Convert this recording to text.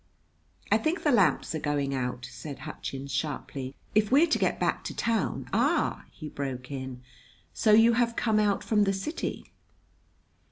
"I think the lamps are going out," said Hutchins sharply. "If we're to get back to town " "Ah!" he broke in. "So you have come out from the city?"